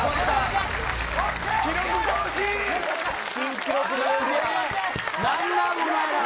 記録更新。